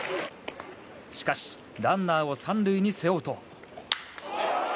しかしランナーを３塁に背負うと。